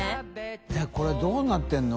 いこれどうなってるの？